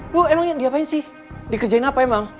lo emang diapain sih dikerjain apa emang